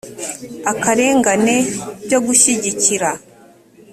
akarenga byo gushyigikira